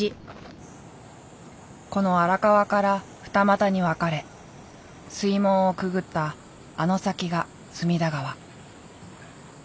この荒川から二股に分かれ水門をくぐったあの先が隅田川。